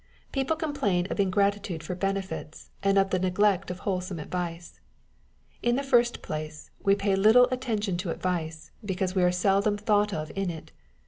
People complain of ingratitude for benefits, and of the neglect of wholesome advice. In the first place, we pay little at tention to advice, because we are seldom thought of in it.